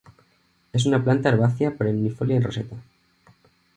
Es una planta herbácea perennifolia en roseta.